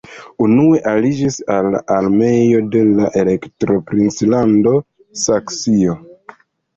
Unue aliĝis al la armeo de la Elektoprinclando Saksio.